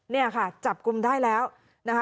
เนี่ยค่ะจับกลุ่มได้แล้วนะคะ